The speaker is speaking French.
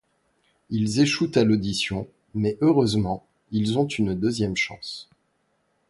Ils échouent à l’audition, mais heureusement, ils ont une deuxième chance.